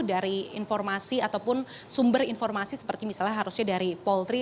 dari informasi ataupun sumber informasi seperti misalnya harusnya dari polri